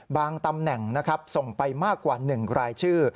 บางตำแหน่งส่งไปมากกว่า๑รายชื่อ